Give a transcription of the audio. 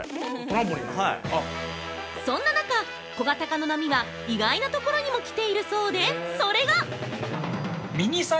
そんな中、小型化の波は意外なところにも来ているそうでそれが！